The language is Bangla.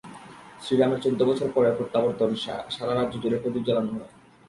শ্রী রামের চৌদ্দ বছর পরের প্রত্যাবর্তনে সারা রাজ্য জুড়ে প্রদীপ জ্বালানো হয়।